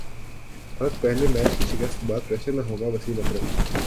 بھارت پہلے میچ کی شکست کے بعد پریشر میں ہوگاوسیم اکرم